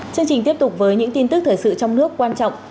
chương trình tiếp tục với những tin tức thời sự trong nước quan trọng